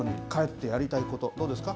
どうですか？